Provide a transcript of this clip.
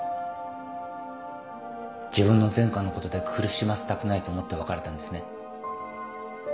自分の前科のことで苦しませたくないと思って別れたんですね。